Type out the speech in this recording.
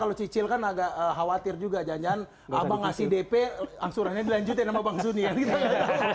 kalau dicilkan agak khawatir juga janjian abang ngasih dp angsurannya dilanjutin sama bang zunian gitu ya